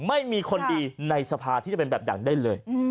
ไม่มีคนดีในสภาที่จะเป็นแบบอย่างได้เลย